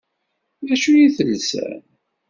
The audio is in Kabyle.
D acu i telsam?